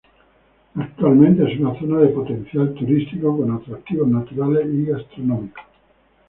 Actualmente es una zona de potencial turístico, con atractivos naturales y gastronómicos.